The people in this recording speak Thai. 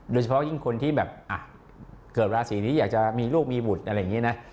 โดยเฉพาะยิ่งคนที่แบบเกิดราศีนี้อยากจะมีลูกมีบุตรอะไรอย่างนี้นะ